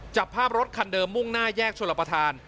จับภาพรถคันเดิมมุ่งหน้าแยกชลประธาน